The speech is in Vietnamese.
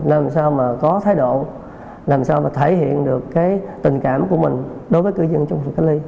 làm sao mà có thái độ làm sao mà thể hiện được cái tình cảm của mình đối với cư dân trong khu cách ly